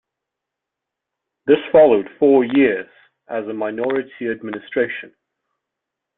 This followed four years as a minority administration.